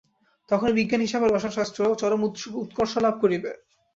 তখনই বিজ্ঞান-হিসাবে রসায়নশাস্ত্র চরম উৎকর্ষ লাভ করিবে।